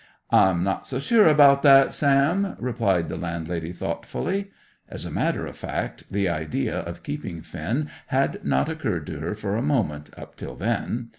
"I'm not so sure about that, Sam," replied the landlady thoughtfully. As a matter of fact, the idea of keeping Finn had not occurred to her for a moment, up till then.